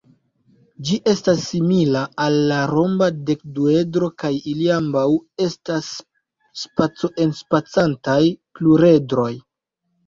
Ĝi estas simila al la romba dekduedro kaj ili ambaŭ estas spaco-enspacantaj pluredroj.